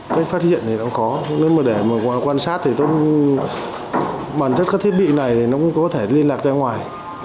cách phát hiện thì nó khó nếu mà để quan sát thì bản thân các thiết bị này thì nó cũng có thể liên lạc ra ngoài